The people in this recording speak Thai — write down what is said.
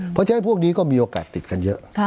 เพราะฉะนั้นพวกนี้ก็มีโอกาสติดกันเยอะ